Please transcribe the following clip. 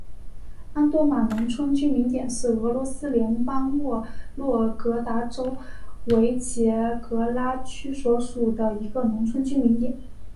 安多马农村居民点是俄罗斯联邦沃洛格达州维捷格拉区所属的一个农村居民点。